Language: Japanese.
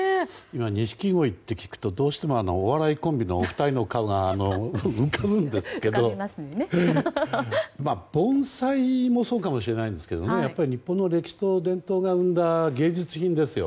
ニシキゴイって聞くとどうしてもお笑いコンビのお二人の顔が浮かぶんですけど盆栽もそうかもしれませんがやっぱり日本の歴史と伝統が生んだ芸術品ですよ。